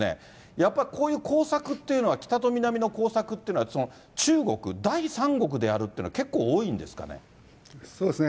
やっぱりこういう工作っていうのは、北と南の工作というのは中国、第三国でやるっていうの、そうですね。